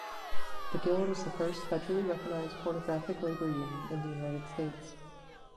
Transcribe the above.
The guild is the first federally recognized pornographic labor union in the United States.